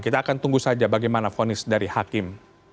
kita akan tunggu saja bagaimana fonis dari hakim